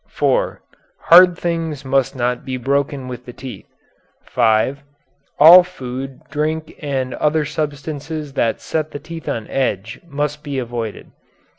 (4) Hard things must not be broken with the teeth. (5) All food, drink, and other substances that set the teeth on edge must be avoided.